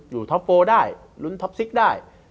อยู่ท็อป๔ได้รุ่นท็อป๖ได้